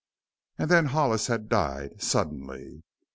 And then Hollis had died suddenly.